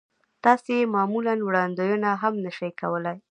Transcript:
تاسې يې معمولاً وړاندوينه هم نه شئ کولای.